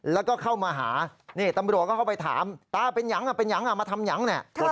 แล้วก็เข้ามาหานี่ตำรวจก็เข้าไปถามตาเป็นยังเป็นยังอ่ะมาทำยังเนี่ย